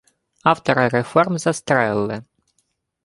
Автора реформ застрелили